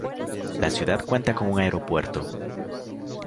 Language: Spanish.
La ciudad cuenta con un aeropuerto.